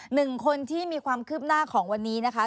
หนึ่งคนที่มีความคืบหน้าของวันนี้นะคะ